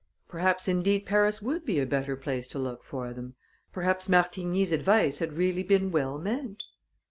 Perhaps, indeed, Paris would be a better place to look for them; perhaps Martigny's advice had really been well meant.